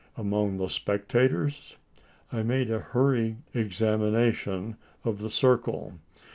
Among the spectators? I made a hurried examination of the circle.